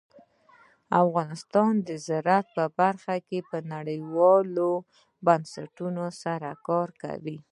افغانستان د زراعت په برخه کې نړیوالو بنسټونو سره کار کوي.